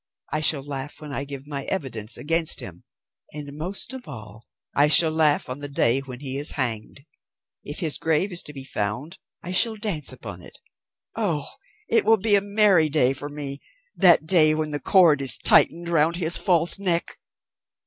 I shall laugh when I give my evidence against him, and most of all I shall laugh on the day when he is hanged. If his grave is to be found, I shall dance upon it. Oh, it will be a merry day for me, that day when the cord is tightened round his false neck!"